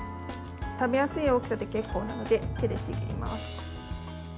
食べやすい大きさで結構なので手でちぎります。